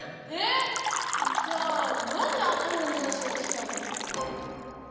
え⁉じゃあ何であんなふうに話が聞けたの？